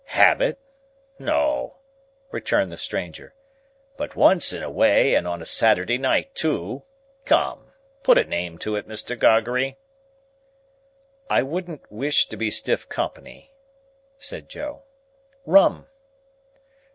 "Habit? No," returned the stranger, "but once and away, and on a Saturday night too. Come! Put a name to it, Mr. Gargery." "I wouldn't wish to be stiff company," said Joe. "Rum."